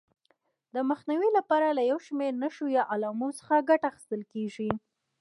د مخنیوي لپاره له یو شمېر نښو یا علامو څخه ګټه اخیستل کېږي.